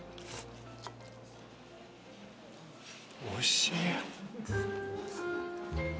おいしい。